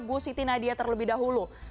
bu siti nadia terlebih dahulu